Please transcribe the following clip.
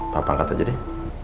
papa angkat aja deh